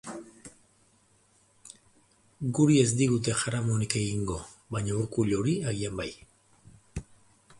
Guri ez digute jaramonik egingo, baina Urkulluri agian bai.